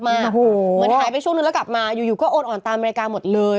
เหมือนหายไปช่วงนึงแล้วกลับมาอยู่ก็โอนอ่อนตามอเมริกาหมดเลย